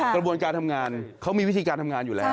กระบวนการทำงานเขามีวิธีการทำงานอยู่แล้ว